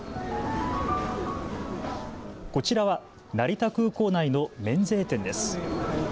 こちらは成田空港内の免税店です。